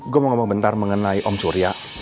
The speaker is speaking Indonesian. gue mau ngomong bentar mengenai om surya